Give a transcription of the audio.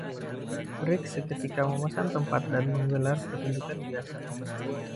Riggs seketika memesan tempat dan menggelar pertunjukan biasa.